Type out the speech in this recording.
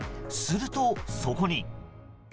すると、そこに。